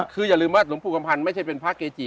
คืออย่าลืมว่าหลวงปู่กำพันธ์ไม่ใช่เป็นพระเกจิ